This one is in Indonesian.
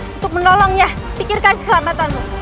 untuk menolongnya pikirkan keselamatanmu